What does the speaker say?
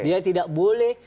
dia tidak boleh